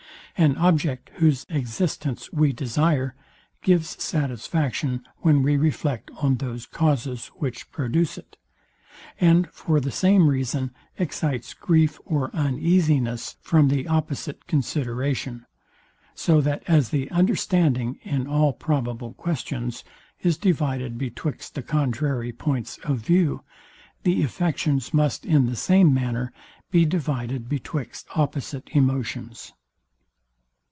An object, whose existence we desire, gives satisfaction, when we reflect on those causes, which produce it; and for the same reason excites grief or uneasiness from the opposite consideration: So that as the understanding, in all probable questions, is divided betwixt the contrary points of view, the affections must in the same manner be divided betwixt opposite emotions.